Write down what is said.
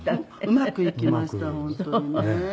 うまくいきました本当にね。